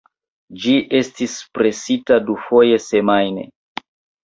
Ĝi estis presita dufoje semajne.